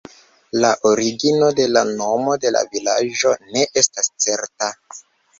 La origino de la nomo de la vilaĝo ne estas certa.